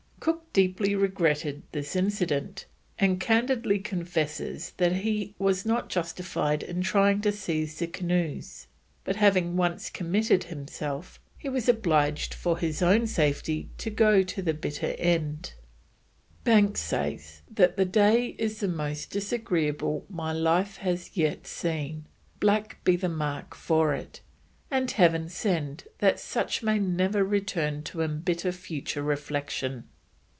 Cook deeply regretted this incident, and candidly confesses that he was not justified in trying to seize the canoes, but having once committed himself, he was obliged for his own safety to go to the bitter end. Banks says the day is "the most disagreeable my life has yet seen; black be the mark for it, and heaven send that such may never return to embitter future reflection."